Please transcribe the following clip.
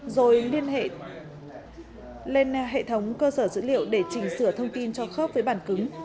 rồi liên hệ lên hệ thống cơ sở dữ liệu để chỉnh sửa thông tin cho khớp với bản cứng